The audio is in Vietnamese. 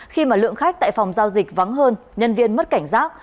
khi mà lượng khách tại phòng giao dịch vắng hơn nhân viên mất cảnh giác